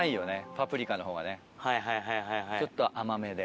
パプリカの方がねちょっと甘めで。